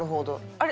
あれ？